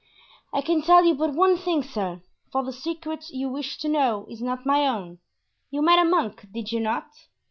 "I can tell you but one thing, sir, for the secret you wish to know is not my own. You met a monk, did you not?"